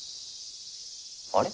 あれ？